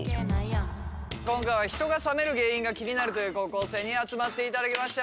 今回は人が冷める原因が気になるという高校生に集まっていただきました。